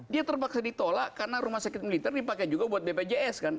dia terpaksa ditolak karena rumah sakit militer dipakai juga buat bpjs kan